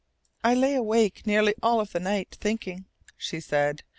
"I lay awake nearly all of the night, thinking," she said.